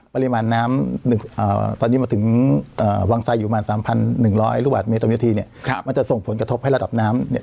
ปริมาณน้ำตอนนี้มาถึงวังไสอยู่ประมาณ๓๑๐๐ลูกบาทเมตรทีเนี่ยมันจะส่งผลกระทบให้ระดับน้ำเนี่ย